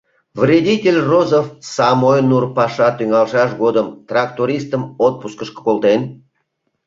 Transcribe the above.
Вредитель Розов самой нур паша тӱҥалшаш годым трактористым отпускышко колтен.